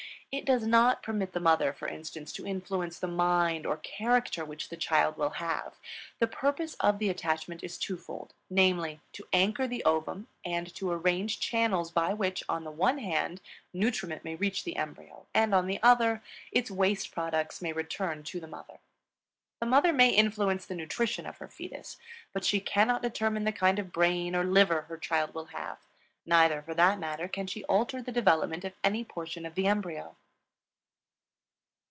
It does not permit the mother, for instance, to influence the mind or character which the child will have. The purpose of the attachment is twofold, namely, to anchor the ovum, and to arrange channels by which, on the one hand, nutriment may reach the embryo, and, on the other, its waste products may return to the mother. The mother may influence the nutrition of the fetus; but she cannot determine the kind of brain or liver her child will have; neither for that matter can she alter the development of any portion of the embryo.